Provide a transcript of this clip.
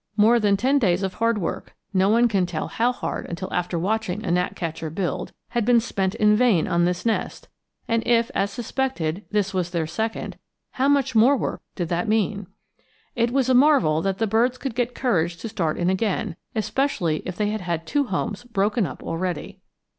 More than ten days of hard work no one can tell how hard until after watching a gnatcatcher build had been spent in vain on this nest; and if, as suspected, this was their second, how much more work did that mean? It was a marvel that the birds could get courage to start in again, especially if they had had two homes broken up already.